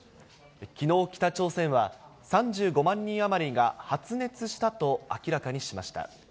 きのう、北朝鮮は３５万人余りが発熱したと明らかにしました。